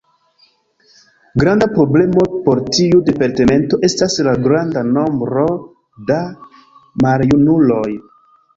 Granda problemo por tiu departemento estas la granda nombro da maljunuloj.